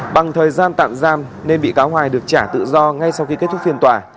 bằng thời gian tạm giam nên bị cáo hoài được trả tự do ngay sau khi kết thúc phiên tòa